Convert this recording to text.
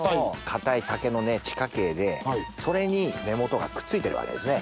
硬い竹の根地下茎でそれに根元がくっついてるわけですね。